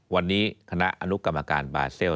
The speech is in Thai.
วันนี้คณะอนุกรรมการบาเซล